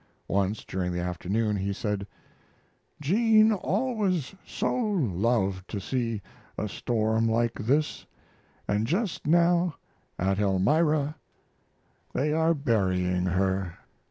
Once, during the afternoon, he said: "Jean always so loved to see a storm like this, and just now at Elmira they are burying her."